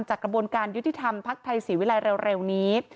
กระบวนการยุติธรรมภักดิ์ไทยศรีวิรัยเร็วนี้